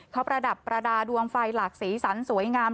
เขาประดับประดาษดวงไฟหลากสีสันสวยงาม